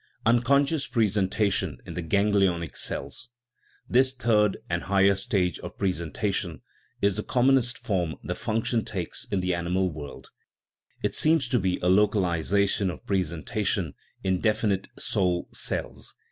Unconscious presentation in the ganglionic cells. This third and higher stage of presentation is the commonest form the function takes in the animal world ; it seems to be a localization of presentation in definite " soul cells.